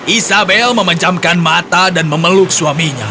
isabel memencamkan mata dan memeluk suaminya